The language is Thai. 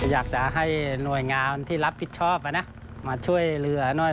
อยากจะให้หน่วยงานที่รับผิดชอบมาช่วยเหลือหน่อย